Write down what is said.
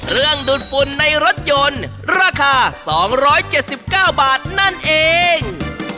ดูดฝุ่นในรถยนต์ราคา๒๗๙บาทนั่นเอง